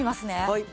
はい。